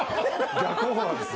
逆オファーです。